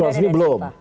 surat resmi belum